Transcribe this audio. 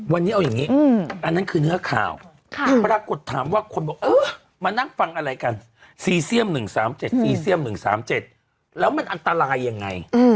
วันนี้เอาอย่างนี้อันนั้นคือเนื้อข่าวปรากฏถามว่าคนบอกเออมานั่งฟังอะไรกันซีเซียม๑๓๗ซีเซียม๑๓๗แล้วมันอันตรายยังไง